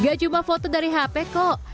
gak cuma foto dari hp kok